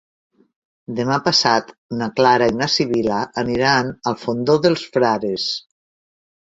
Demà passat na Clara i na Sibil·la aniran al Fondó dels Frares.